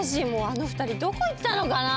あの２人どこ行ったのかな？